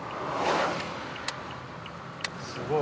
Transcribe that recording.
すごい。